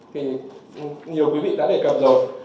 thì nhiều quý vị đã đề cập rồi